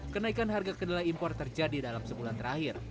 kenaikan harga kedelai impor terjadi dalam sebulan terakhir